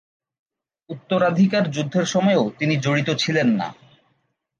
উত্তরাধিকার যুদ্ধের সময়েও তিনি জড়িত ছিলেন না।